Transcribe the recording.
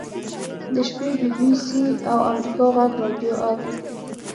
د شپې بي بي سي او امریکا غږ راډیو اوري.